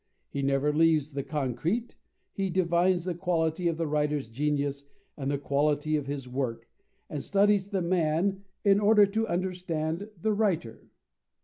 He never leaves the concrete; he divines the quality of the writer's genius and the quality of his work, and studies the man, in order to understand the writer.